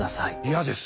嫌です。